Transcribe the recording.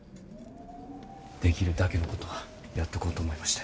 できるだけのことはやっとこうと思いまして。